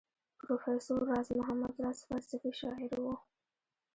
پروفیسر راز محمد راز فلسفي شاعر وو.